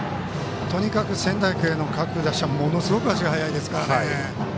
とにかく仙台育英の各打者ものすごく足が速いですからね。